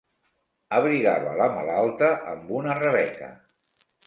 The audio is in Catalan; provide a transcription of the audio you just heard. Abrigava la malalta amb una rebeca.